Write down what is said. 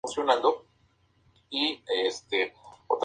Pero tenía poco tiempo para políticas específicamente judías.